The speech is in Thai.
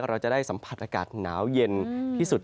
เราจะได้สัมผัสอากาศหนาวเย็นที่สุด